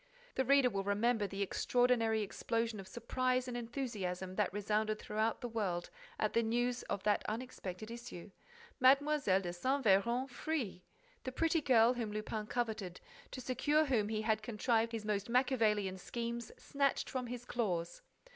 The reader will remember the extraordinary explosion of surprise and enthusiasm that resounded throughout the world at the news of that unexpected issue: Mlle. de Saint Véran free! The pretty girl whom Lupin coveted, to secure whom he had contrived his most Machiavellian schemes, snatched from his claws!